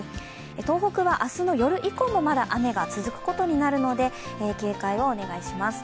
東北は明日の夜以降もまだ雨が続くことになるので警戒をお願いします。